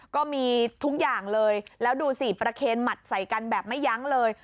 ก็มีทุกอย่างเลยแล้วดูสิประเคนหมัดใส่กันแบบไม่ยั้งเลย